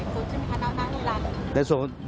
น้านานหรือละ